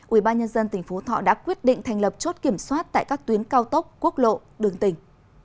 ubnd tỉnh phú thọ đã quyết định thành lập chốt kiểm soát tại các tuyến cao tốc quốc lộ đường tỉnh